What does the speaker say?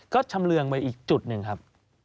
ก็ชำเรืองไปอีกจุดหนึ่งครับ